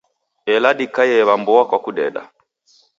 Ela dikaie w'a mboa kwa kudeda.